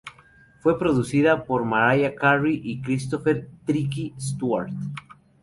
Fue producida por Mariah Carey y Christopher "Tricky" Stewart.